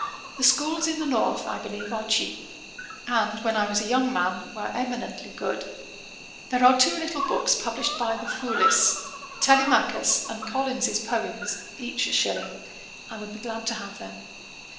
The schools in the north, I believe, are cheap; and, when I was a young man, were eminently good. 'There are two little books published by the Foulis, Telemachus and Collins's Poems, each a shilling: I would be glad to have them.